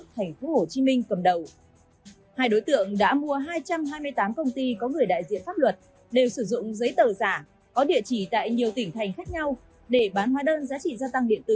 hai đối tượng đã mua hai trăm hai mươi tám công ty có người đại diện pháp luật đều sử dụng giấy tờ giả có địa chỉ tại nhiều tỉnh thành khác nhau để bán hóa đơn giá trị gia tăng điện tử